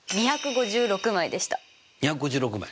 ２５６枚。